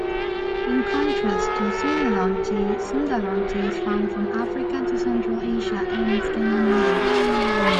In contrast to sinodonty, sundadonty is found from Africa to Central Asia and Scandinavia.